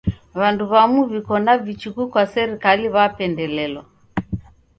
W'andu w'amu w'iko na vichuku kwa serikali w'apendelelwa.